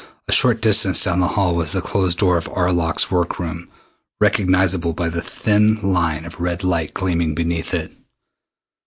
A short distance down the hall was the closed door of Arlok's work room, recognizable by the thin line of red light gleaming beneath it.